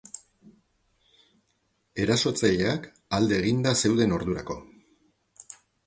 Erasotzaileak alde eginda zeuden ordurako.